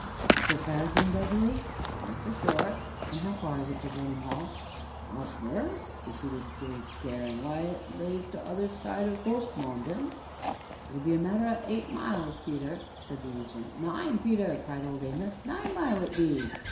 "Sir Peregrine Beverley?" "Ay, for sure." "And how far is it to Burnham Hall?" "'Ow fur?" repeated Job, staring; "why, it lays 't other side o' Horsmonden " "It be a matter o' eight mile, Peter," said the Ancient. "Nine, Peter!" cried old Amos "nine mile, it be!"